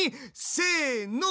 せの。